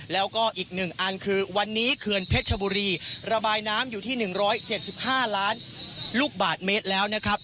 แล้วก็อีกหนึ่งอันคือวันนี้เผือนเพชรบุรีระบายน้ำอยู่ที่หนึ่งร้อยเจ็ดสิบห้าล้านลูกบาทเมตรแล้วนะครับ